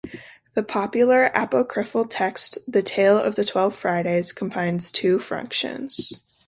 The popular apocryphal text The Tale of the Twelve Fridays combines two functions.